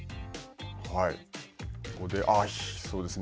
ここで、そうですね。